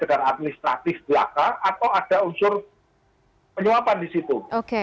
sekedar administratif belaka atau ada unsur penyuapan di situ